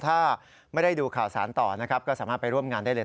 ถ้าไม่ได้ดูข่าวสารต่อนะครับก็สามารถไปร่วมงานได้เลย